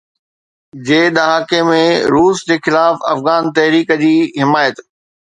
جي ڏهاڪي ۾ روس جي خلاف افغان تحريڪ جي حمايت